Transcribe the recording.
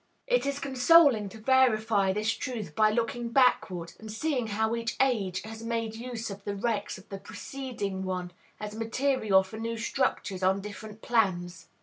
It is consoling to verify this truth by looking backward, and seeing how each age has made use of the wrecks of the preceding one as material for new structures on different plans.